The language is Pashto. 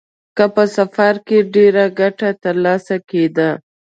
که په سفر کې ډېره ګټه ترلاسه کېده.